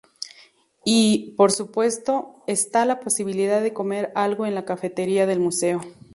Y, por supuesto, está la posibilidad de comer algo en la cafetería del museo.